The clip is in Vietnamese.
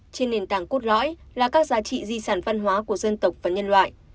trên nền tảng cốt lõi là các giá trị di sản văn hóa của dân tộc và nhân loại